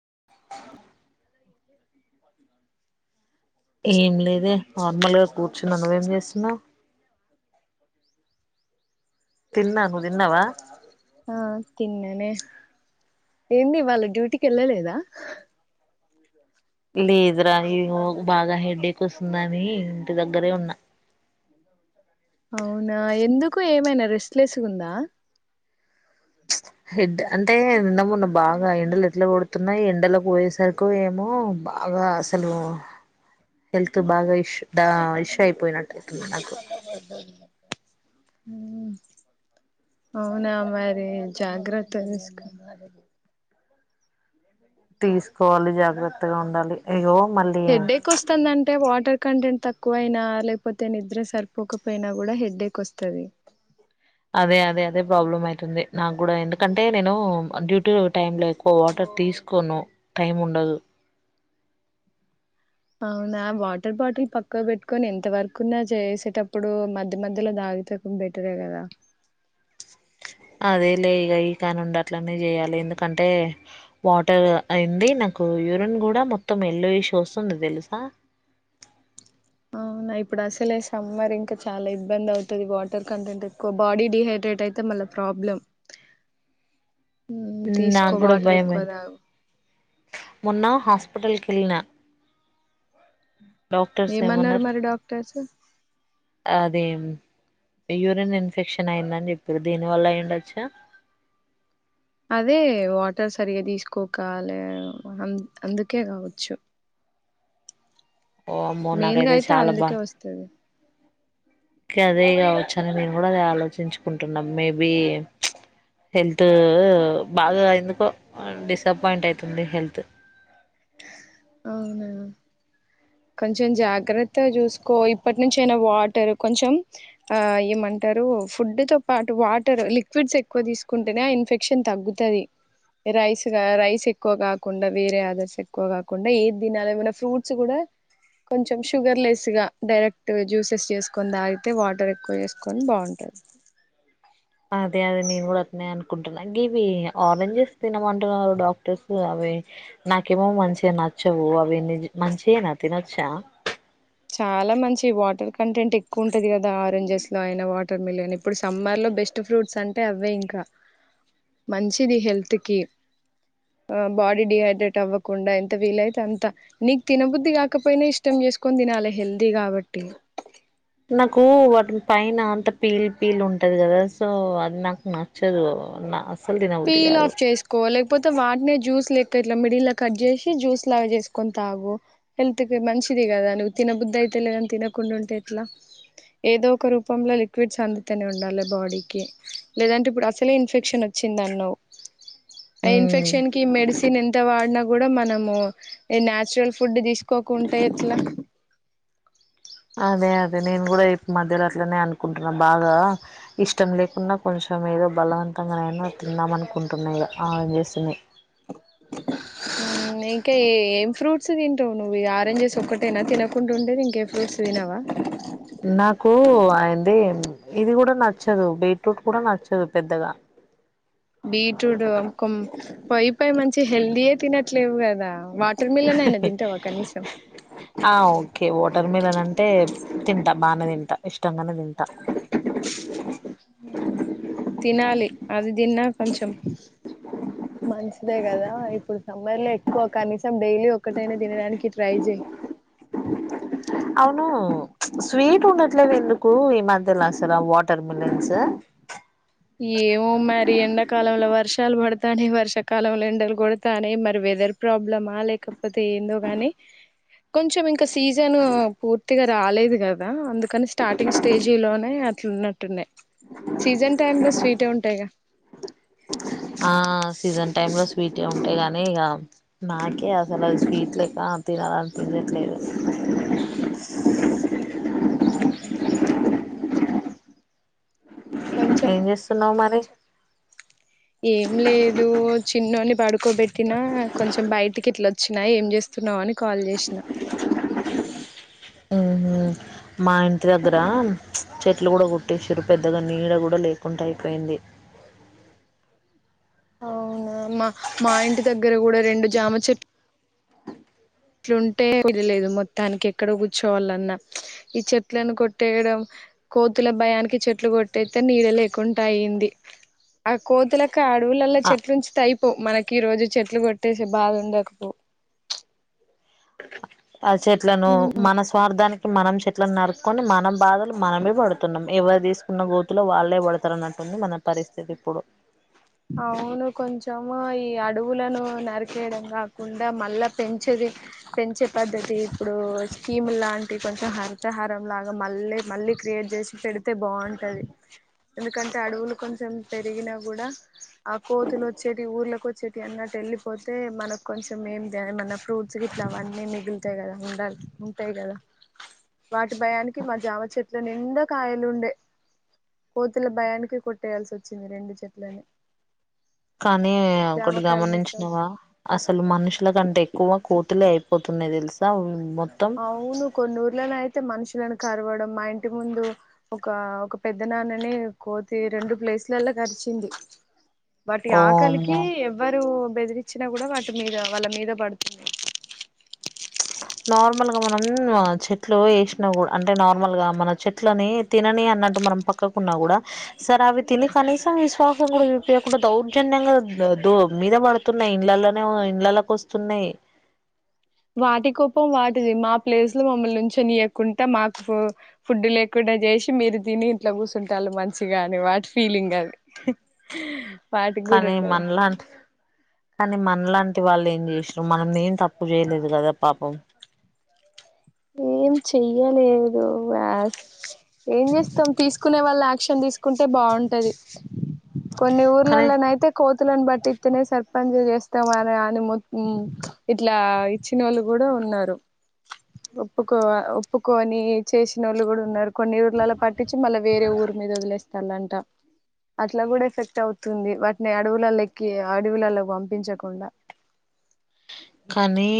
ంది ఏం లేదే నార్మల్ గా కూర్చున్నా నువ్వేం చేస్తున్నావు తిన్నా నువ్ తిన్నావా ఆ తిన్నానే ఏంది వాళ్ళ డ్యూటీకి వెళ్ళలేదా లేదురా ఇ బాగా హెడేక్ వస్తుందని ఇంటి దగ్గరే ఉన్న అవునా ఎందుకు ఏమైనా రెస్ట్లెస్గుందా హెడ్ అంటే నిన్నమున్న బాగా ఎండలు ఎట్లా కొడుతున్నాయి ఎండలకు పోయేసరికు ఏమో బాగా అసలు హెల్త్ బాగా ఇష్యూ ఇష్యూ అయిపోయినట్టు ఉమ్ అవునా మరి జాగ్రత్త తీసుకో మరి తీసుకోవాలి జాగ్రత్తగా ఉండాలి అయ్యో మళ్ళీ హెడేక్ వస్తుందంటే వాటర్ కంటెంట్ తక్కువయినా లేకపోతే నిద్ర సరిపోకపోయినా కూడా హెడ్డేక్ వస్తుంది అదే అదే అదే ప్రాబ్లం అయితుంది నాకు కూడా ఎందుకంటే నేను డ్యూటీ టైంలో ఎక్కువ వాటర్ తీసుకోను టైం ఉండదు అవునా వాటర్ బాటిల్ పక్క పెట్టుకొని ఎంత వరకున్నా చేసేటప్పుడు మధ్య మధ్యలో దా అయితేకుం బెటరే కదా అదే లే ఇగ ఇకానిండి అట్లనే చేయాలి ఎందుకంటే వాటర్ అయింది నాకు కు యూరీన్ కూడా మొత్తం ఎల్లో ఇష్యూ వస్తుంది తెలుసా అవు నా ఇప్పుడు అసలే సమ్మర్ ఇంకా చాలా ఇబ్బంది అవుతుంది వాటర్ కంటెంట్ ఎక్కువ బాడీ డిహైడ్రేట్ అయితే మళ్ళ ప్రాబ్లెం నా కూడా భయమైత్ మొన్న హాస్పిటల్కి వెళ్ళిన డాక్టర్స్ ఏమన్నారు మరి డాక్టర్స్ అది యూరిన్ ఇన్ఫెక్షన్ అయిందని చెప్పారు దేని వల్ల అయిడ్డచ్చు అదే వాటర్ సరిగ్గా తీసుకోకా లే అ అందుకే కావచ్చు ఓ అమ్మో మెయిన్గా నాకైతే అయితే చాలా అందుకే వస్తుది కాదే కావచ్చు అని నేను కూడా అది ఆలోచించుకుంటున్నా మేబి హెల్త్ బాగా ఎందుకో డిసప్పాయింట్ అవుతుంది హెల్త్ అవునా కొంచెం జాగ్రత్త చూసుకో ఇప్పటి నుంచ అయినా వాటర్ కొంచెం ఆ ఏమన్నా అంటారు ఫుడ్ తో పాటు వాటర్ లిక్విడ్స్ ఎక్కువ తీసుకుంటేనే ఇన్ఫెక్షన్ తగ్గుతుది రైస్ రైస్ ఎక్కువ కాకుండా వేరే ఆదర్స్ ఏక్ ఎక్కువ కాకుండా ఏ తినాల ఏమైన్నా ఫ్రూట్స్ కూడా కొంచెం షుగర్ లెస్ గా డైరెక్ట్ జ్యూసెస్ చేసుకొని దాగితే వాటర్ ఎక్కువ చేసుకొని బాగుంటుంది అదే అదే నేను కూడా అట్నే అనుకుంటాన్నాను ఇవి ఆరెంజెస్ తినమంటున్నారు డాక్టర్స్ అవి వే నాకేమో మంచిగా నచ్చవు అవి నిజ మంచినా తినొచ్చా చాలా మంచి వాటర్ కంటెంట్ ఎక్కువ ఉంటది కదా ఆరెంజెస్ లో అయిన వాటర్ మిలిన్ ఇప్పుడు సమ్మర్ లో బెస్ట్ ఫ్రూట్స్ అంటే అవే ఇంకా మంచిది హెల్త్ కి ఆ బాడీ డిహైడ్రేట్ అవ్వకుండా ఎంత వీల అయితే అంత నీకు తినబుద్ధి కాకపోయినా ఇష్టం చేసుకు కొదినాల హెల్దీ కాబట్టి నాకు వాటిని పైన అంత పీలు పీలు ఉంటది కదా సో అది నాకు నచ్చదు నా అస్సలు తినబుద్ధి పీల్ కాదు ఆఫ్ చేసుకో లేకపోతే వాటి జ్యూస్ లెక్క ఇట్లా మిడిల్ కట్ చేసి జ్యూస్ లాగా చేసుకుని తాగు హెల్త్ కి మంచిది కదాని తినబుధయితలేదని తినకండా ఉంటె ఎట్లా ఏదో ఒక రూపంలో లిక్విడ్స్ అందితనే ఉండాలి బాడీకి లేదంటే ఇప్పుడు అసలే ఇన్ఫెక్షన్ చ్చిందన్నవ్ ఆ ఉమ్ ఇన్ఫెక్షన్కీ మెడిసిన్ న్ ఎంత వాడినా కూడా మనము నచురల్ ఫుడ్ తీసుకో టె ఎట్లా అదే అదే నేను కూడా మధ్యలట్లనే అనుకుంటున్నా బాగా ఇష్టం లేకుండా కొంచెం ఏదో బలం అంతంగాన అయినా తిందామ అనుకుంటున్నాయిగ ఆరెంజస్ ని మ్ ఇంక ఏ ఏం ఫ్రూట్స్ తింటావు నువ్వు ఈ ఆరెంజెస్ ఒక్కటేనా తినకుండా ఉండేది ఇంకే ఫ్రూట్స్ తినవా నాకు అయింది ఇది కూడ నచ్చదు బీట్రూట్ కూడా నచ్చదు పెద్దగా బీట్రూట్ కొం పొయ్యి పొయి మంచి హెల్దీయే తినట్లేవు కదా వాటర్ మిలన్ అయినా తింటావా కనీసం ఆ ఓకే వాటర్ మిలన్ అంటే తింటా బాగానే తింటా ఇష్టంగానే తింట తినాలి అది తిన్నా కొంచెం మంచిదే కదా ఇప్పుడు సమ్మర్లో ఎక్కువ కనీస డైలీ ఒకక్కటైైన తినడానికి ట్రై చెయి అవును స్వీట్ ఉండట్లేవ్ ఎందుకు ఈ మధ్యలసలు వాటర్ మిలన్స్ ఏమో మరి ఎండాకాలంలో వర్ష వర్షాలు పడతాని వర్షాకాలంల ఎండలు కొడతాని మరి వెదర్ ప్రాబ్లమా లేకపోతే ఏందో గాని కొంచం ఇంక సీజను పూర్తిగా కాలేదు కదా అందుకని స్టార్టింగ్ స్టేజిలోనే అట్లున్నట్టున్నాయ్ సీజన్ టైమ్ లో స్వీట్ ఉంటాయిగా ఆ సీజన్ టైమ్ లో స్వీటే ఉంటాయి గాని ఇగా నాకే అసలు అది స్వీట్ లెక్క తినాలనిపి య్యట్లేదు ఉ ఏం చేస్తున్నావు మరి ఏం లేదు చిన్నోని పడుకోబెట్టినా కొంచెం బయటికి ఇట్లా వచ్చినా ఏం చేస్తు న్నావు అని కాల్ చేసిన ఉహు మా ఇంటి దగ్గర చెట్లు కూడా కొట్టటిసిరు పెద్దగా నీడ కూడా లేకుండా అయిపోయింది అవునా మా మా ఇంటి దగ్గర కూడా రెండు జామ చెట్ ఇట్లుంటే తెలిలేదు మొత్తానికి ఎక్కడ కూర్చోవాలన్నా ఈ చెట్లను కొట్టేయడం కోతుల భయానికి చెట్లు కొట్టేతే నీడ లేకుండ అయింది ఆ కోతుల అడవులల ఆ చెట్లుంచితే అయి పోవ్ మనకి ఈ రోజు చెట్లు కొట్టేసె బాధ ఉండకపో ఆ చెట్లను మన స్వార్థానికి మనం చెట్ల నరుక్కకొని మన బాధలు మనమే పడుతున్నాం ఎవరు తీసుకున్న గోతులో వాళ్ళే పడతారు అన్నట్టు ంది మన పరిస్థితి ఇప్పుడు అవును కొంచెము ఈ అడవులను నరికేయడం కాకుండా మళ్ళా పెంచే పెంచ పద్దతి ఇప్పుడు స్కీమ్ లాంటి కొంచ లాగా మళ్ళీ మళ్ళీ క్రియేట్ చేసి పెడు తె బాగుంటుంది ఎందుకంటే అడవులు కొంచెం పెరిగినా కూడా ఆ కోతులు వచ్చేటి ఊర్ళక వచ్చేటి అన్నట్ ఎల్లిపోత తే మనకు కొంచెం ఏమి మన ఫ్రూట్స్ గిట్లా అవన్నీ మిగులుతాయి కదా ఉండాలి ఉంటాయి కదా వాటి భయానికి మా జామ చెట్ల నిండ కాయలు ఉండే కోతుల భయానిక కొట్టేయాల్సి వచ్చింది రెండు చెట్లని కానీ ఒకటి జామకాయలు మిస్ గమనించినవా అవుతున్నాయి అసలు మనుషులకంటే ఎక్కువ కోతులే అయిపో పోతున్నాయి తెలుసా మ్ అవును కొన్ని ఊర్లలో అయితే మనుషి పిల్లలను కరవడం మా ఇంటి ముందు ఒక ఒక పెద్ద నాన్నని కోతి రెండు ప్లేసులలో కరిచింది బట్ ఆకలికి ఓమ్మో ఎవ్వరు బెదిరించినా కూడా వాటి మీద వాళ్ళ మీద పడుతుంది ప్చ్ నార్మల్ గా మనం చెట్లు వేసినా కూడా అంటే నార్మల్ గా మన చెట్లని తిని తినానియ్ అన్నట్టు మనం పక్కకున్నా కూడా సరే అవి తిని కనీసం విశ్వాసం కూడా చూపివయకుండా దౌర్జన్యంగా మీద పడుతున్నాయి ఇండ్లల్లనే ఇంట్ల లోకి వస్తున్నాయి వాటి కోపం వాటిది మా ప్లేస్ లో మమ్మల్ని ఉంచనియ్యకుండా మాకు ఫుడ్ లేకుండా చేస్ మీరు తిని ఇంట్లో కూసుంటాన్లు మంచిగా అని వాటి ఫీలింగ్ అది వాటికి కూడా కానీ ఉండదా మనలాంటి కానీ మనలాంటి వాళ్ళు ఏం చేసినం మనం ఏం తప్పు చేయలేదు కదా పాపం ఏం చెయ్యలేదు వాస్ ఏం చేస్తాం తీసుకునే వాళ్లు యాక్షన్ తీసుకుంటే బాగుంటది కొన్ని ఊర్లల్ల కానీ నైతే కోతు లను బట్టిస్తనే సర్పంచ్ చేస్తాం అని ఇట్లా ఇచ్చినోళ్ళు కూడా వు ఉన్నారు ఒప్పుకో ఒప్పుకోని చేసిన వాళ్ళు కూడా ఉన్నారు కొన్ని ఊర్లలో పట్టించి మళ్ళా వేరే ఊరు మీద వదిలేస్తాన్లంట అట్లా కూడా ఎఫెక్ట్ అవుతుంది వాటిని అడవుల లెక్కి అడవులలో పంపించకుండా కానీ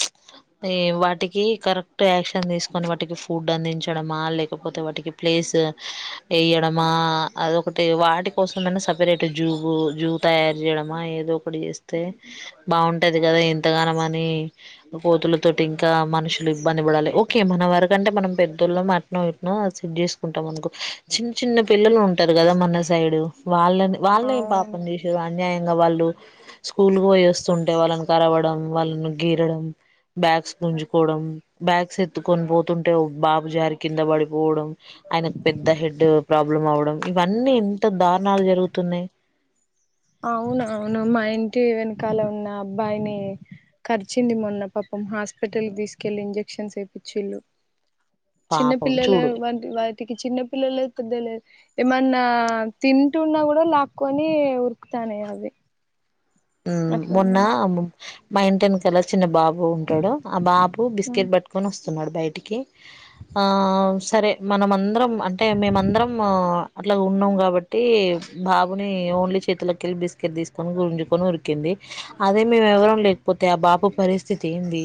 ప్చ్ వాటికి కరెక్ట్ యాక్షన్ తీసుకొని వాటికి ఫుడ్ అందించడమా లేకపోతే వాటికి ప్ ప్లేస్ వెయ్యడమా అదెక్కటి వాటి కోసమన్నా సపరేట్ జూ తయారు చేయడమా ఏదో ఒకటి చేస్తే బాగు ఉంటది కదా ఎంతగనమని కోతులతోటి ఇంకా మనుషులు ఇబ్బంది పడాలి ఓకే మన వరకంటే అంటే మనం పెద్దోళ్ళము అట్నో ఇట్నో అది సెట్ చేసుకుంటాం అనుకో చిన్న చిన్న పిల్లలు ఉంటారు కదా మన సైడ్ వాళ్ళని వాళ్లు ఏం అవును పాపం చేసిన్రు అన్యాయంగా వాళ్ళు స్కూల్ పోయి వస్తు టారు అంటే వాళ్ళని కరవడం వాళ్ళని గీరడం బ్యాగ్స్ గుంజుకోవడం బ్యాగ్స్ ఎత్తుకొని పోతుంటే బాబు జారి కింద పడిపోవడం ఆయనకు పెద్ద హెడ్ ప్రాబ్లం అవడం ఇవన్నీ ఎంత దారుణాలు జరుగుతున్నాయి అవునవును మా ఇంటి వెనకాల ఉన్న అబ్బాయిని ఖర్చింది మొన్న పాపం హాస్పిటల్కి తీసుకెళ్లి ఇంజక్షన్స్ వేపిచ్చిన్లు పాపం చిన్నపిల్లల చూడు వంటి వాటికి చిన్నపిల్లల లేదు ఏమన్నా తింటున్నా కూడా లాక్కో టానవి అవి మొన్న అట్లున్నాయి మా ఇంటి వెనకాల చిన్న బాబు వుంటాడు ఆ బాబు బిస్కెట్ పట్టుకొని వస్త న్నాడు బయటికి ఆ సరే మనమందరం అంటే మేమందరం ఇలా ఉన్నాం కాబట్టి బాబుని ఓన్లీ చేతులకుకెళ్ళి బిస్కెట్ తీసుకొని గుంజు కుని ఉరికింది అదే మేము ఎవరం లేకపోతే ఆ బాబు పరిస్థితి ఏంది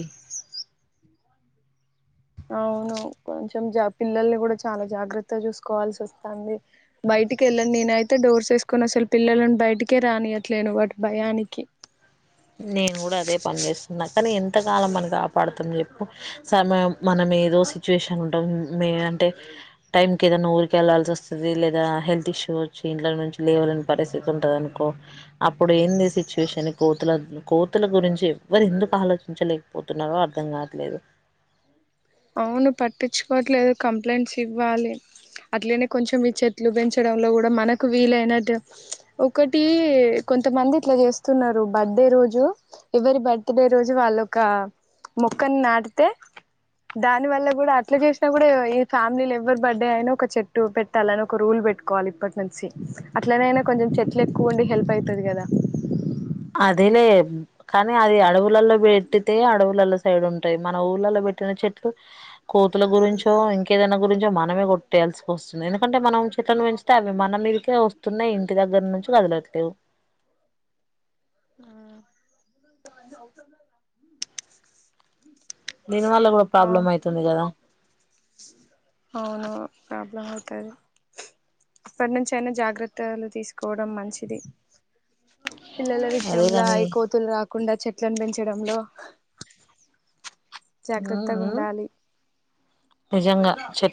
అవును కొంచెం పిల్లల్ని కూడా చాలా జాగ్రత్తగా చూసుకోవాల్సి వస్తుంది బయ టికి వెళ్ళను నేనైయితే డోర్స్ వేసుకుని అసలు పిల్లలను బయటికే రానివ్వట్లేను వాటి భయానికి నేను కూడా అదే పని చేస్తున్నా కానీ ఎంతకాలం మనం కాపాడుతాం చెప్పు సమయానికి మనం ఏదో సిచ్యువేషన్ ఉంటాం మే అంటే టైమ్ కి ఏదైనా ఊరికి వెళ్లాల్సి వస్తుంది లేదా హెల్త్ ఇష్యూ వచ్చి ఇంట్లో నుంచి లేవలేని పరిస్థితి ఉంటది అనుకో అప్పుడు ఏంది సిచ్యువేషన్ కోతుల కోతుల గురించి ఎవరు ఎందుకు ఆలోచించలేకపోతున్నారో అర్థం కావట్లేదు అవును పట్టించుకోవట్లేదు కంప్లైంట్స్ ఇవ్వాలి అట్లనే కొంచెం ఈ చెట్లు పెంచడంలో కూడా మనకు వీలైనట్టు ఒకటి కొంతమంది ఇట్లా చేస్తున్నారు బర్త్డే రోజు ఎవరి బర్త్ డే రోజు వాళ్ళొక మొక్కని నాటితే దాని వల్ల కూడా అట్లా చేసినా కూడా ఈ ఫ్యామిలీ ఎవ్వరు బర్డే అయిననా ఒక చెట్టు పెట్టాలని ఒక రూల్ పెట్టుకో కోవాలి ఇప్పటి నుంచి అట్లనైనా కొంచెం చెట్లు ఎక్కువ ఉండి హెల్ప్ అయీతది కదా అదలే కానీ అది అడవులలో పెట్టితే అడవులలో సైడ్ ఉంటాయి మన ఊళ్ళలో పెట్టిన చెట్లు కోతుల గురించో ఇంకేదైనా గురించో మనమే కొట్టేల్సి వస్తుంది ఎందుకంటే మనం చెట్ల పెంచితే అవి మన మీకే వస్తున్నాయి ఇంటి దగ్గర నుంచి కదలట్లేవు [inaudible] [unintelligible] దీనివల్ల కూడా ఆ ప్రాబ్లం అయితుంది కదా అవును ప్రాబ్లమ్ అవుతంది ఇప్పటి నుంచి అయినా జాగ్రత్తలు తీసుకోవడం మంచిది పిల్లల విషయంలో అదేగాని అవి కోతులు రాకుండా చెట్లను పెంచడంలో జాగ్రత్తగా ఉండాలి నిజంగా చె